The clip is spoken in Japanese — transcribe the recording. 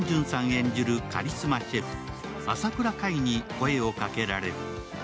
演じるカリスマシェフ・朝倉海に声をかけられる。